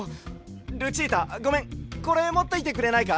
ルチータごめんこれもっていてくれないか？